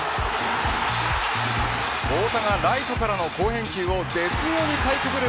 大田がライトからの好返球を絶妙にかいくぐる